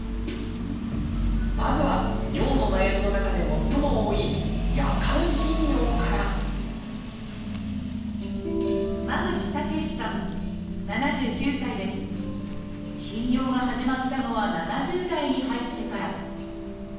まずは尿の悩みの中で最も多い頻尿が始まったのは７０代に入ってから。